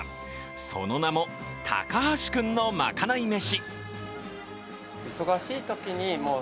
その名も高橋君のまかない飯。